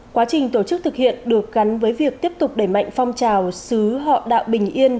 quá trình tổ chức thực hiện được gắn với việc tiếp tục đẩy mạnh phong trào xứ họ đạo bình yên